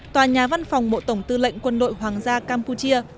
tòa nhà văn phòng bộ tổng tư lệnh quân đội hoàng gia campuchia